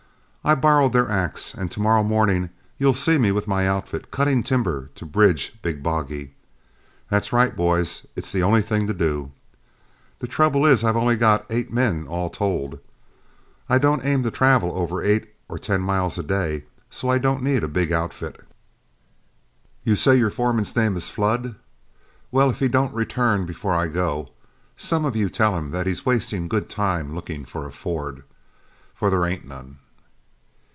I borrowed their axe, and to morrow morning you'll see me with my outfit cutting timber to bridge Big Boggy. That's right, boys; it's the only thing to do. The trouble is I've only got eight men all told. I don't aim to travel over eight or ten miles a day, so I don't need a big outfit. You say your foreman's name is Flood? Well, if he don't return before I go, some of you tell him that he's wasting good time looking for a ford, for there ain't none."